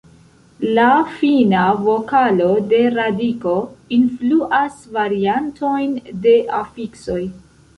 La fina vokalo de radiko influas variantojn de afiksoj.